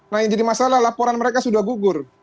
nah yang jadi masalah laporan mereka sudah gugur